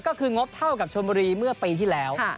ก็คืองบเท่ากับชนบุรีเมื่อปีที่แล้ว